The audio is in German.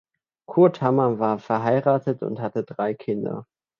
Kurt Hamer war verheiratet und hatte drei Kinder.